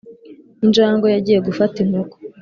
injangwe yagiye gufata inkoko